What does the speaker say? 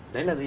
đấy là gì